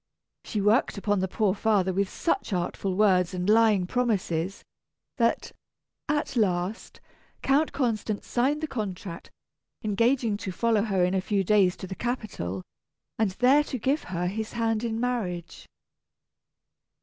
She worked upon the poor father with such artful words and lying promises, that, at last, Count Constant signed the contract, engaging to follow her in a few days to the capital, and there to give her his hand in marriage.